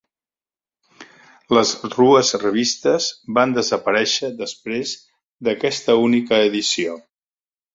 Les rues revistes van desaparèixer després d"aquesta única edició.